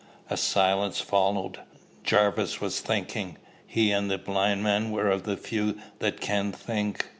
A silence followed. Jarvis was thinking. He and the blind man were of the few that can think.